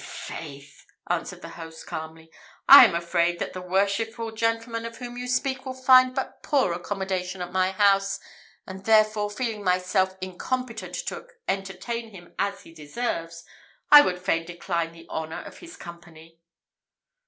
"I' faith," answered the host, calmly, "I am afraid that the worshipful gentleman of whom you speak will find but poor accommodation at my house; and therefore, feeling myself incompetent to entertain him as he deserves, I would fain decline the honour of his company."